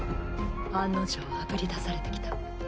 案の定あぶり出されてきた。